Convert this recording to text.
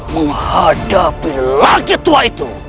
menghadapi laki laki tua itu